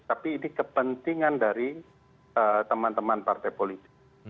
tapi ini kepentingan dari teman teman partai politik